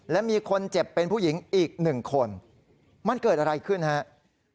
และมีคนเจ็บเป็นผู้หญิงอีกหนึ่งคนมันเกิดอะไรขึ้นครับ